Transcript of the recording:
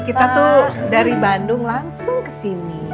kita tuh dari bandung langsung kesini